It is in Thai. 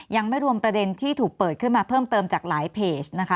ยังไม่รวมประเด็นที่ถูกเปิดขึ้นมาเพิ่มเติมจากหลายเพจนะคะ